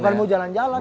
bukan mau jalan jalan